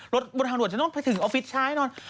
บนทางด่วนจะต้องไปถึงออฟฟิศใช้นอน